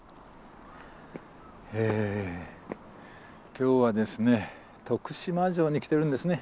今日はですね徳島城に来てるんですね。